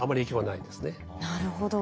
なるほど。